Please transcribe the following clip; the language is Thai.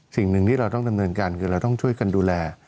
สิ่งหนึ่งที่เราต้องดำเนินการคือเราต้องช่วยกันดูแล